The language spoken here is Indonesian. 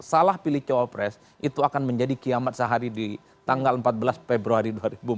salah pilih cawapres itu akan menjadi kiamat sehari di tanggal empat belas februari dua ribu empat belas